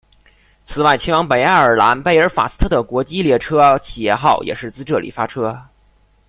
此外前往北爱尔兰贝尔法斯特的国际列车企业号也是自这里发车。